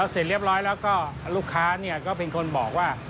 เสร็จเรียบร้อยแล้วก็ลูกค้าก็เป็นคนบอกว่า